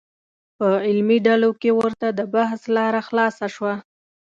په علمي ډلو کې ورته د بحث لاره خلاصه شوه.